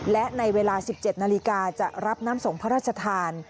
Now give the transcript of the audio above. และในเวลา๑๗นาฬิกาจะรับน้ำส่งพระราชทาน